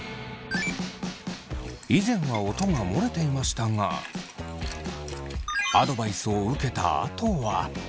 以前は音が漏れていましたがアドバイスを受けたあとは。